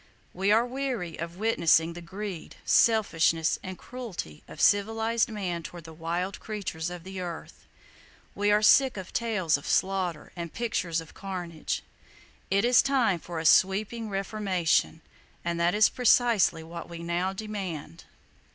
We are weary of witnessing the greed, selfishness and cruelty of "civilized" man toward the wild creatures of the earth. We are sick of tales of slaughter and pictures of carnage. It is time for a sweeping Reformation; and that is precisely what we now demand.